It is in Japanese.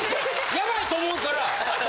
ヤバイと思うから。